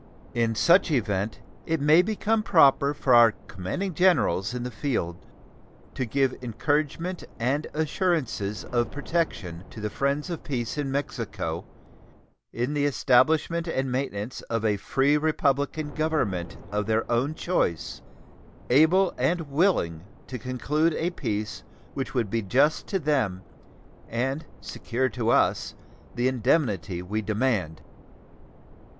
In such event it may become proper for our commanding generals in the field to give encouragement and assurances of protection to the friends of peace in Mexico in the establishment and maintenance of a free republican government of their own choice, able and willing to conclude a peace which would be just to them and secure to us the indemnity we demand.